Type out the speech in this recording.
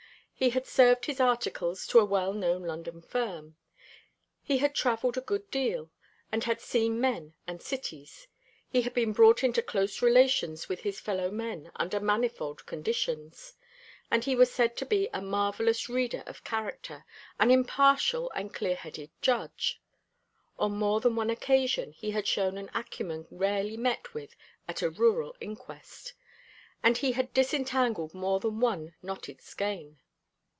He had served his articles to a well known London firm; he had travelled a good deal, and had seen men and cities. He had been brought into close relations with his fellow men under manifold conditions; and he was said to be a marvellous reader of character, an impartial and clear headed judge. On more than one occasion he had shown an acumen rarely met with at a rural inquest; and he had disentangled more than one knotted skein.